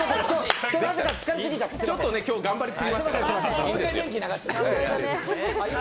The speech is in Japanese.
ちょっと今日頑張りすぎましたね。